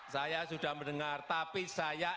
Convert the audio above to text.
saya sudah mendengar tapi saya